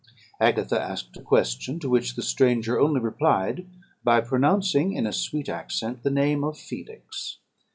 Agatha asked a question; to which the stranger only replied by pronouncing, in a sweet accent, the name of Felix.